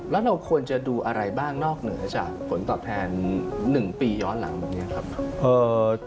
แล้วเราควรจะดูอะไรบ้างนอกเหนือจากผลตอบแทน๑ปีย้อนหลังแบบนี้ครับ